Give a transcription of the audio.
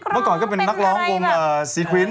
เขาก็เป็นนักร้องมันอะไรแบบเมื่อก่อนก็เป็นนักร้องวงซีคริ้นต์